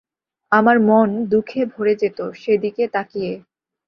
আমার মন দুঃখে ভরে যেত সেদিকে তাকিয়ে।